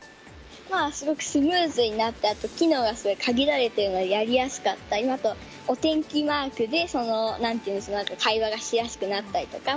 すごくスムーズになったのと機能が限られているのでやりやすかったのとあと、お天気マークで会話がしやすくなったりとか